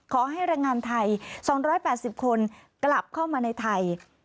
ขอให้รายงานไทย๒๘๐คนกลับเข้ามาในไทย